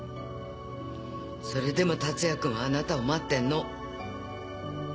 それでも達也君はあなたを待ってるの！